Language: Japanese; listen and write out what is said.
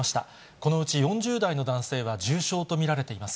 このうち４０代の男性は重傷と見られています。